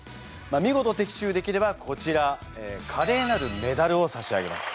見事的中できればこちらカレーなるメダルを差し上げます。